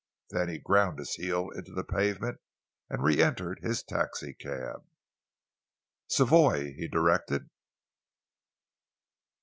Then he ground his heel into the pavement and re entered his taxicab. "Savoy," he directed.